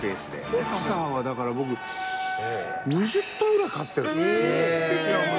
ボクサーは、だから僕、２０頭ぐらい飼ってる。